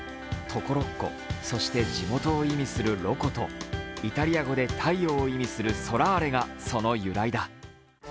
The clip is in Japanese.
常呂っ子、そして地元を意味するロコと、イタリア語で太陽を意味するソラーレがその由来だ。